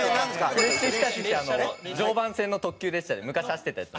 フレッシュひたちって常磐線の特急列車で昔走ってたやつ。